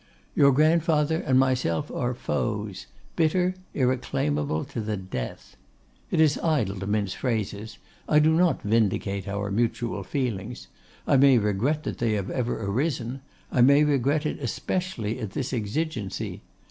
Your grandfather and myself are foes; bitter, irreclaimable, to the death. It is idle to mince phrases; I do not vindicate our mutual feelings, I may regret that they have ever arisen; I may regret it especially at this exigency.